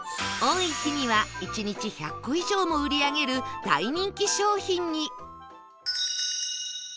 多い日には１日１００個以上も売り上げる大人気商品に